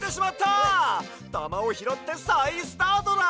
たまをひろってさいスタートだ！